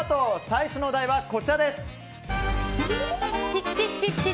最初のお題は、こちらです。